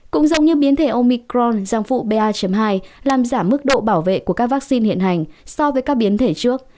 cũng giống như biến thể omicron sang phụ ba hai làm giảm mức độ bảo vệ của các vaccine hiện hành so với các biến thể trước